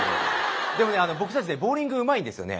でもね僕たちねボウリングうまいんですよね。